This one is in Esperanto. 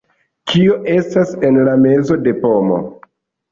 Kio estas en la mezo de pomo?